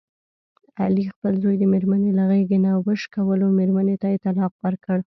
علي خپل زوی د مېرمني له غېږې نه وشکولو، مېرمنې ته یې طلاق ورکړ.